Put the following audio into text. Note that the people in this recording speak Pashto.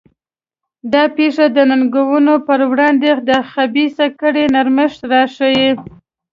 دا پېښه د ننګونو پر وړاندې د خبیثه کړۍ نرمښت راښيي.